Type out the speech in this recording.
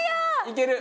いける！